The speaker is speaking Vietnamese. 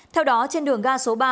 theo đó trên đường ga số ba